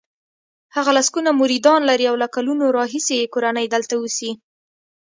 هغه سلګونه مریدان لري او له کلونو راهیسې یې کورنۍ دلته اوسي.